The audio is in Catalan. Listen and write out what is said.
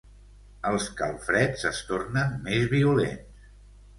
Els calfreds es tornen més violents.